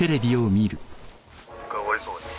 「かわいそうに。